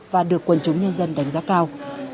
và được quần chúng nhân dân đánh giá cao